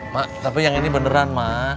mak tapi yang ini beneran mak